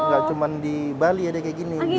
ini nggak cuma di bali ya deh kayak gini